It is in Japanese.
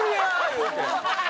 言うて。